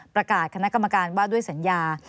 ประกาศคณะกรรมการว่าด้วยสัญญา